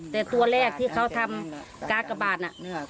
แต่ตัวแรกที่เขาทำกากบาทน่ะ